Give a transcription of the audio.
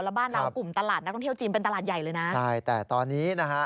แล้วบ้านเรากลุ่มตลาดนักท่องเที่ยวจีนเป็นตลาดใหญ่เลยนะใช่แต่ตอนนี้นะฮะ